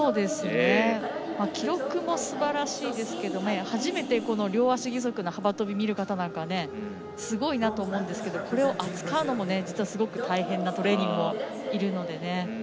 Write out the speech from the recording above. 記録もすばらしいですけど初めてこの両足義足の幅跳び見る方なんかはすごいなと思うんですけどこれを扱うのも実はすごく大変なトレーニングもいるので。